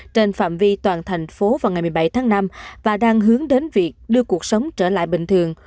trên phạm vi toàn thành phố vào ngày một mươi bảy tháng năm và đang hướng đến việc đưa cuộc sống trở lại bình thường